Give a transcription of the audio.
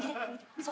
そう。